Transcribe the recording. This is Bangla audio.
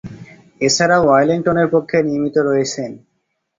এছাড়াও ওয়েলিংটনের পক্ষে নিয়মিত রয়েছেন।